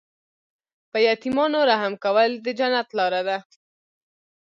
په یتیمانو رحم کول د جنت لاره ده.